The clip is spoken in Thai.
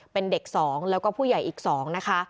เป็นเด็ก๒แล้วก็ผู้ใหญ่อีก๒นะคะ